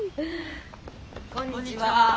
こんにちは。